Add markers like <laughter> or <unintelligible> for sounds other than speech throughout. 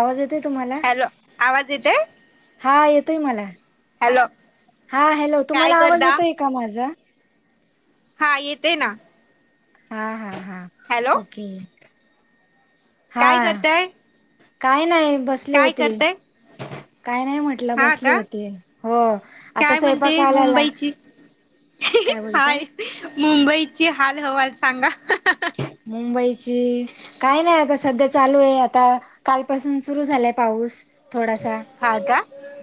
आवाज येतोय तुम्हाला? लं, आवाज येतय? हा येतोय मला, हा हॅलो काय तुम्हाला आवाज करता येतोय का माझा? हां येतोयना. हां हां हां ओके, काय हां. करताय काय नाही बसले काय होते, करताय काय नाही म्हट लं हा बसली का होते, हो आता काय म्हणते सायंपाकला ला मुंबईची काय बोल? हाय, मुंबईची हाल हवा सांगा. मुंबईची काय नही आता सध्या चालू ये, आता कालपासून सुरू झालाय पाऊस. थोडासा, हा का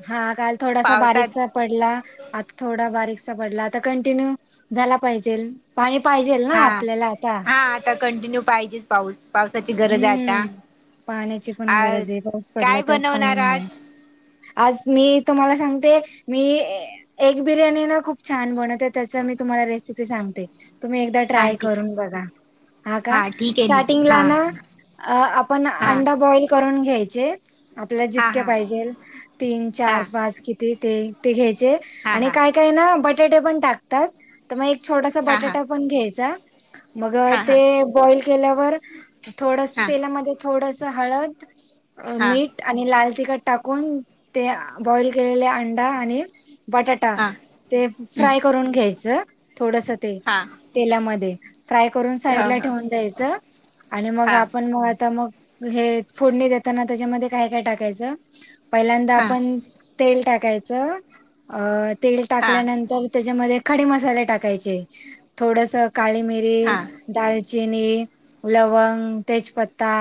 हा काल थोडासा पावसात बारीकचा पडला, आता थोडा बारीकसा पडला, आता कंटिन्यू झाला पाहिजेल. पाणी पाहिजेल ना, आपल्याला आता? ह आता कंटिन्यू पाहिजे पाऊस पावसाची गरज ये आता. हम्म पाण्याची पण आज गरज ये, पाऊस पडला काय तरच पाणी बनवणार मिळल. आज आज मी तुम्हाला सांगते, मी एग बिर्याणी ना खूप छान बनवते त्याच मी तुम्हाला रेसिपी सांगते, तुम्ही एकदा हा ट्राय ठीक करून बघा, हा आहे गा ठीक आहे ना स्टार्टिंगला हा ना आपण हा अंडा बॉईल करून घ्यायचे. आपल्या हा जितक्या हा पाहिजेल, तीन हा चार पाच किती? ते, ते घ्यायचे हा आणि हा काय काय ना बटाटे पण टाकतात, तर मग एक छोटासा हा हा बटाटा पण घ्यायचा, मग हा ते बॉईल केल्यावर थोडस हा तेलामध्ये थोडस हळद, अ हा मीठ आणि लाल तिखट टाकून, ते बॉइल केलेले अंडा आणि बटाटा हा ते हम्म फ्राय करून घ्यायचं, थोडस ते हा तेलामध्ये. फ्राय करून साईडला ठेवून द्यायचं. आणि मग हा आपण मग आता मग, हे फोडणी देताना त्याच्यामध्ये काय काय टाकायचं? पहिल्यांदा हा आपण तेल टाकायचं, अ तेल हा टाकल्यानंतर त्याच्यामध्ये खडे मसाले टाकायचे, थोडस काळे मिरी, हा हा दालचिनी लवंग, तेजपत्ता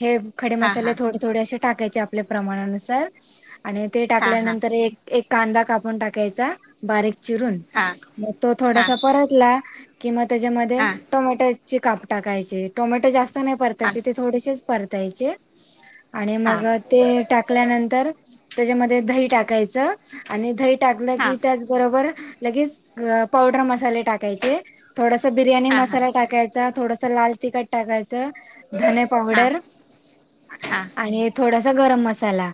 हे खडे हा हा मसाले थोडे थोडे्य अशे टाकायचे, आपल्या प्रमाणानुसार आणि ते हा हा टाकल्यानंतर एक एक कांदा कापून टाकायचा. बारीक चिरून, हा मग तो हा हा थोडासा परतला कि म त्याच्यामध्ये हा टोमॅटोचे काप टाकायचे, टोमॅटो जास्त नाही हा हा परतायचे, ते थोडेसेच परतायचे. आणि हा मग ते टाकल्यानंतर त्याच्यामध्ये दही टाकायच. आणि दही टाकल की, त्याचबरोबर लगेच पावडर मसाले टाकायचे. थोडस बिर्याणी हा हा हा हा हा हा मसाला टाकायचा, थोडस लाल तिखट टाकायच. धणे पावडर आणि थोडासा गरम मसाला.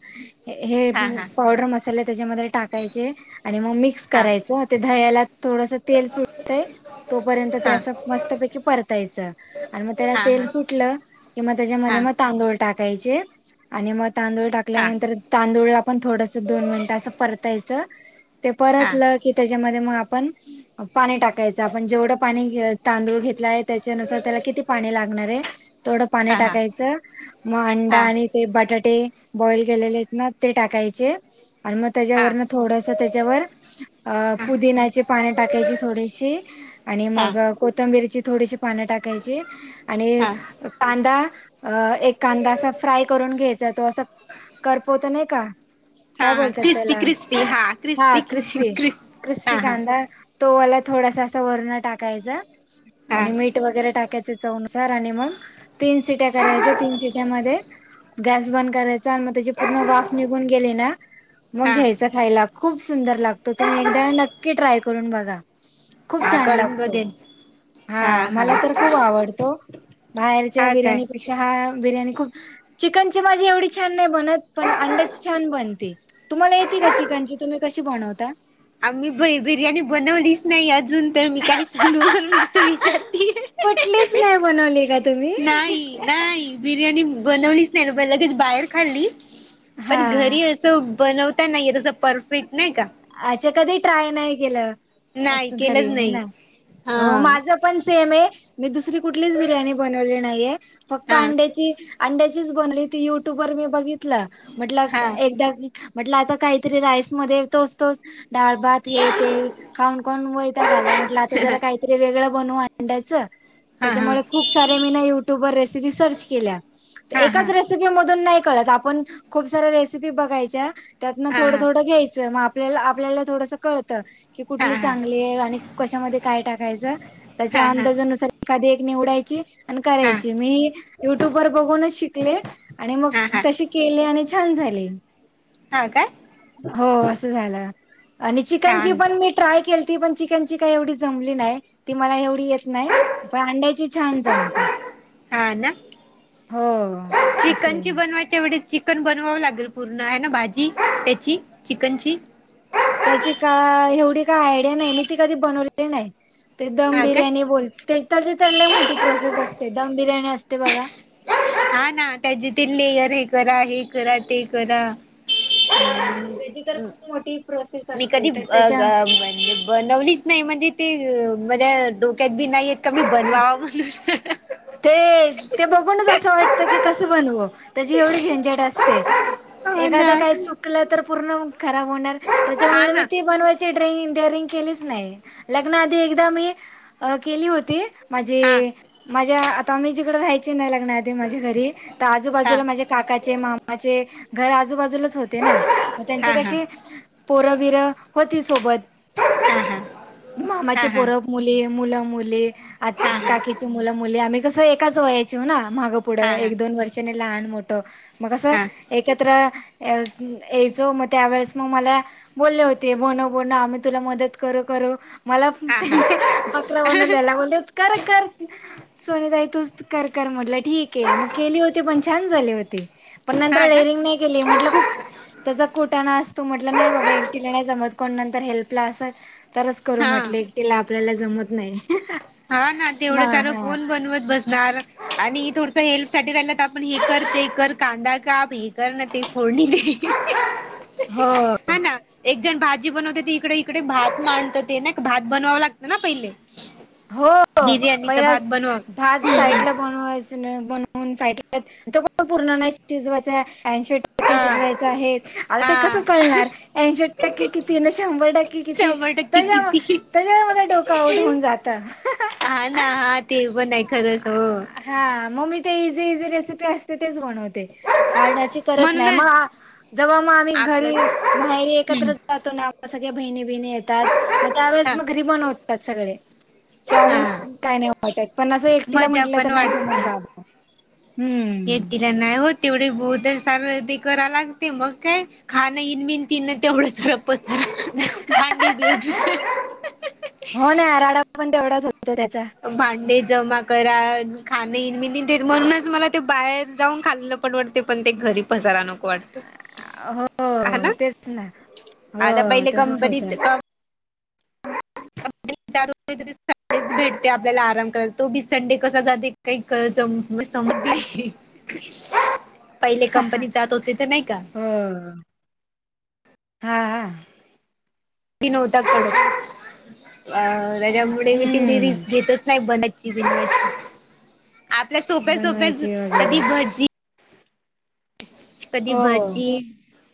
हे हा हा हा हा हा हा हा हा पावडर मसाले त्याच्यामध्ये टाकायचे आणि मग मिक्स करायच. ते दह्यला थोडस तेल सुटतय तोपर्यंत ते अस मस्तपैकी परतायच आणि मग त्याला हा हा हा तेल हा सुटल कि मग त्याच्यामध्ये मग तांदूळ टाकायचे. आणि मग तांदूळ टाकल्यानंतर तांदूळला पण थोडस दोन मिनिट अस परतायच. ते परतल की त्याच्यामध्ये मग आपण पाणी टाकायच आपण जेवढ पाणी तांदूळ घेतल आहे त्याच्यानुसार त्याला किती पाणी लागणार आहे तेवढ पाणी टाकायच. मग अंडा आणि ते बटाटे बॉईल केलेले आहेत ना ते टाकायचे. आणि मग त्याच्यावरन थोडस त्याच्यावर अ पुदिन्याची पाणी टाकायची थोडीशी आणि मग कोथंबिरीची थोडीशी पान टाकायची. आणि कांदा. एक कांदा असा फ्राय करून घ्यायचा तो अस- करपवत नाही का? काय बोलतात क्रिस्पी त्याला? क्रिस्पी हा हा क्रिस्पी क्रिस्प हा क्रिस्पी हा कांदा तोवाला थोडासा अस वरण टाकायचा हा आणि मीठ वगैरे टाका त्याच्या चव नुसार आणि मग तीन सीट्या करायच्या तीन सीट्यामध्ये गॅस बंद करायचा आणि मग त्याची पूर्ण वाफ निघून गेली ना, हा मग घ्यायच खायला खूप सुंदर लागतो तुम्ही एकदा नक्की ट्राय करून बघा. खूप हा छान करून लागतो. बघेन हा मला तर खूप आवडतो. बाहेरच्या काय बिर्याणीपेक्षा हा बिर्याणी खूप चिकनची माझी एवढी छान नाही बनत. पण अंड्याची छान बनते. तुम्हाला येते का? चिकनची, तुम्ही कशी बनवता? आम्ही ब बिर्याणी बनवलीच नाही अजून. तर मी काही सांगू म नसतो विचारते कुठलीच नाही बनवली का तुम्ही? नाही. नाही. बिर्याणी बनवलीच नाही लगेच बाहेर खाल्ली पण हा घरी अस बनवता नाही येत तस परफेक्ट नाही का? अच्छा कधी ट्राय नाही केल. अस नाही घरी केलंच आहे नाही. ना, हा हो माझ पण सेम आहे. मी दुसरी कुठलीच बिर्याणी बनवली नाहीये फक्त हा अंड्याची. अंड्याचीच बनली ती युट्यूब वर मी बघितल म्हटल हा एकदा म्हटल आता काहीतरी राईस मध्ये तोस तोच डाळ भात हे ते खाऊन खाऊन वैताग आला म्हटल आता जरा हा काहीतरी वेगळ बनवू आंडायच. हा त्याच्यामुळे खूप सारे मीना युट्यूब वर रेसिपी सर्च केल्या तर, हा हा हा एकाच रेस मधून नाही कळत आपण खूप सऱ्या रेसिपी बघायच्या त्यातन थोड हा थोड घ्याय च. मग आपल्याला आपल्याला थोडस कळत. हा हा कुठली हा चांगली आणि कशा मध्ये काय टाकायच हा त्याच्या अंदाजानुसार एखादी एक निवडायची आणि हा करायची मी युट्यूब वर बघूनच शिकले. आणि मग हा हा तसे केले आणि छान झाले. हा काय? हो अस झाल आणि चिकन ची छान पण मी ट्राय केली ती पण चिकनची का एवढी जमली नाही ती मला एव नाही, बाड्यांची छान जमते. हां ना? हो, असंय. तेवढीच चिकन बनवावं लागेल पूर्ण हे ना, भाजी त्याची चिकनची? त्याची का एवढी का आयडिया नाही, मी ती कधी बनवली नाही, ते दम हा काय बिर्याणी बोलते- ते त्याची तर लय मोठी प्रोसेस असते, दम बिर्याणी असते बघा? हा ना, त्याची ते लेयर हे करा, हे करा, ते करा? हा, त्याची तर खूप मोठी- प्रोसेस मी असते कधी तर अ ब त्याच्या <unintelligible> बनवलीच नाही, म्हणजे ते माझ्या डोक्यात बी नाही येत. कधी बनवाव म्हण- ते, ते बघूनच असं वाटत की, कसं बनवू? त्याची एवढी झंझट असते. हो ना. कापला तर पूर्ण खराब होणार, हा त्यांच्यामुळे मग ना ती बनवाय- ची, ती डेअरिंग केलीच नाही, लग्नाआधी एकदा मी केली होती. हा माझे माझ्या आता मी जिकडं राहायची नाही लग्ना आधी माझ्या घरी, तर हा आजूबाजूला माझ्या- काकाचे, मामाचे घर आजूबाजूलाच हो- ते ना, त्यांची हा हा कशी पोरंबिरं होती सोबत. हा हा मामाचे हा हा हा पोर ब- मुली, मुलं मुली, आ हा काकीची मुलं मुली, आम्ही कसं एकाच वयाची हो ना, माग- पुढं हा हा एक, दोन वर्षाने लहान मोठं, मग कसं एकत्र- यायचो, मग त्यावेेळेस मग मला- बोलले होते, बणव, बणव आम्ही तुला मदत करू, करू मला- हा हा हा त्यांनी बकरा बनवल्याला बोलत्यात करा कर- सोनी ताई तूच कर, कर म्हटलं ठीक- मग केली होती, पण छान झाली होती, पण हा नंतर का डेरिंग नाही केली म्हटलं खूप- त्याचा कुटाना असतो म्हटलं, नाही बाबा एकटीला नाही जमत, कोण नंतर हेल्पला असलं तरच- करू हा म्हटले, एकटिला आपल्याला जमत नाही. हा ना, म तेवढं सारं हा कोण बनवत बस- णार आणि थोडसंं हेल्प साठी राहिलं तर, आपण हे कर, ते कर, कांदा काप, हे- कर, अन दे फोडणी. हो हा ना. एक जण भाजी बनवते, ती इकडे इकडे भात मांडत ते ना भात बनवावं लागतं ना पहिले. हो बिर्याणीचा पहिलाच भात बनव भात साईडला- बनवायचा नाही, बनवून साइडला <unintelligible> काय करत्यात तो पण पूर्ण नाही शिजवायचा ऐंशी टक्के- टक्के हा शिजवायचं आहे, आता ते कसं हा कळणार? ऐंशी टक्के किती आणि शंभर टक्के किती? नक्की किती शि- त्यांच्यामुळे माझं डोकं आउट होऊन जातं. हा ना, ते पण आहे खरंच हो. हा, मग मी ते इझी इझी रेसिपी असते, ‌तेच बनवते असते. हार्ड - ती करत नाही, म्हणूनच मग जेव्हा मग आम्ही आपलं घरी माहेरी हम्म एकत्र- जातो ना, आपल्या सगळ्या बहिणी, बहिणी येतात मग त्यावेळेस हा मग घरी बनवतात सगळे. त्यावेेळेस हा काही नाही वाटतं, पण असं एकटीला मजा म्हटलं पण तर नाही जमंत वाटते बाबा. हम्म. एकटीला नाही होत, तेवढे बोद सारं ते करा लागते मग काय. खाणं इन मिन तिन तेवढं <unintelligible> पसारा भांडी बिरज हो <unintelligible> ना राडा पण तेवढाच होतो त्याचा. भांडे जमा करा खाणे इनमीन तीन म्हणूनच मला ते बाहेर जाऊन खाल्लं परवडते पण ते घरी पसारा नको वाटतं. हो हा ना तेच ना हो आता पहिले तसचं कंपनीत होतंय. त्यात संडे भेटते आपल्याला आराम कराला तो बी संडे कसा जाते काही कळतं समजत नाही. संपली पहिले कंपनी जात होते तर नाही का? हो. हा हा. नवता कड अ त्यामुळे मी तेवढी हम्म रिस्क घेतचं नाही बनाय जीजी बर्ड्स आपल्या सोप्या सोप्या बनवायची वगैरे कधी पण कधी हो भजी.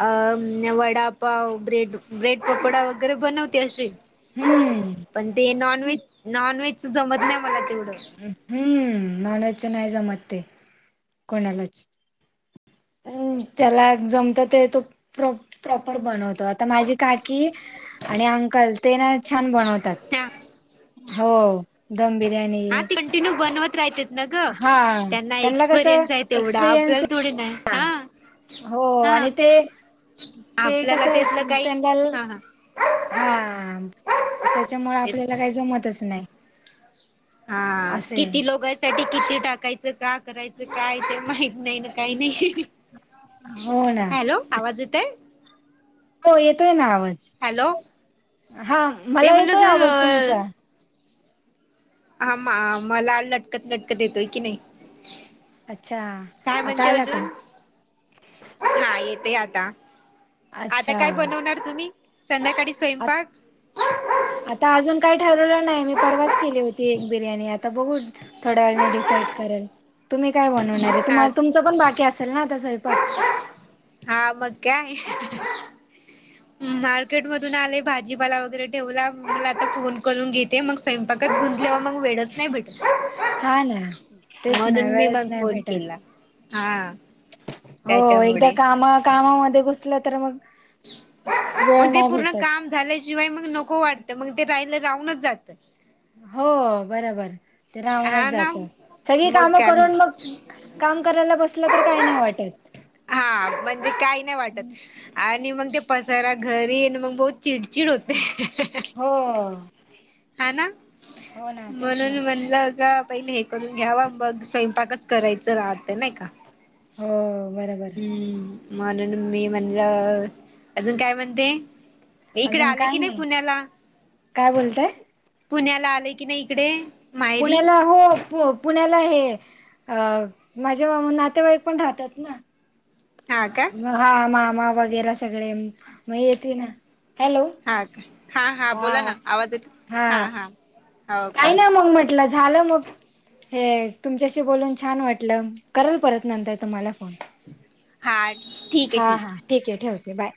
अ वडापाव ब्रेड ब्रेड पकोडा वगैरे बनवते असशीे. हम्म! पण ते नॉनव्हेज नॉनव्हेज जमत नाही मला तेवढं. हम्म, नॉनव्हेजच नाही जमत ते कोणालाच. त्याला जमत ते तो प्रॉप- प्रॉपर बनवतात. ता माझी काकी आणि अंकल ते ना छान बनवतात. हा हो दम बिर्याणी. हा कंटिन्यू बनवत रायतेत. न ग हा त्यांना कसं एक्सपिरियन्स आहे तेवढा एक्सपिरियन्स आपल्याला थोडी नाही आहे हा. ना. हो हा आणि ते ते कस आपल्याला त्यातलं काही त्यांनल हा हा हा त्याच्यामुळ ते आपल्याला काही जमतच नाही. हा असे किती लोक आहेत? साठी किती टाकायचं का करायचं काय ते माहित नाही ना काही नाही. हो ना हॅलो! आवाज येतयं? हो येतोय ना आवाज हा ते मला म्हणलं येतोय आवाज ग तुमचा. हा मा- मला लटकत लटकत येतोय की नाही. अच्छा काय म्हणते आता आला का अजून हा येते आता. आता काय अच्छा बनवणार तुम्ही संध्याकाळी आ स्वयंपाक? आता अजून काय ठरवलं नाही मी परवाच केली होती एक बिर्याणी आता बघून. थोड्या वेळने डिसाईड करल तुम्ही काय बनवणार हा तुमचं पण बाकी असेल ना आता स्वयंपाक. हा मग काय, मार्केट मधून आले भाजीपाला वगैरे ठेवला मला आता फोन करून घेते मग स्वयंपाकातन जेव्हा मग वेळच नाही भेटत. हा ना तेच ना म्हणून मी वेळच मग नाही फोन भेटत केला. हा. हो एकदा त्याच्यामुळे काम कामामध्ये घुसलं तर मग, वेळ मग ते नाही पूर्ण भेटत काम झाल्याशिवाय मग नको वाटतं मग ते राहिलं राहूनच जातं. हो बरोबर! ते राहूनच हा ना जात सगळी मग कामं काय करून मग काम करायला बसलं तर काही नाही वाटत. हा म्हणजे काही नाही वाटत. आणि मग ते पसारा घरी येन मग बहुत चिडचिड होते. हो. हा ना हो ना तेच ना म्हणून म्हणलं का पहिले हे करून घ्यावा बग स्वयंपाकच करायचं राहत नाही का! हो बरबर! हम्, म्हणून मी म्हणलं, अजून काय म्हणते? इकडे अजून आलंय की काय नाही पुण्याला? काय बोलताय पुण्याला आलंय की नाही इकडे? मायरी पुण्याला हो पु पुण्याला हे अ माझे नातेवाईक पण राहतात ना. हा का? म हा मामा वगैरे सगळे, म येेती ना. हॅलो हा का? हा हा बोला ना, आवाज येत हा हा. हो का काही ना मग म्हटलं, झालं मग. हे तुमच्याशी बोलून छान वाटलं, करल परत नंतर तुम्हाला फोन. हा ठीक. हा हा ठीक ये, ठेवते, बाय.